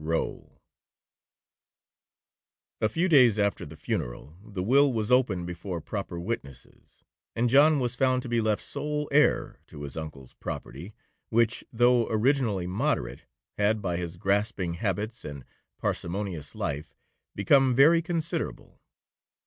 ROWE A few days after the funeral, the will was opened before proper witnesses, and John was found to be left sole heir to his uncle's property, which, though originally moderate, had, by his grasping habits, and parsimonious life, become very considerable.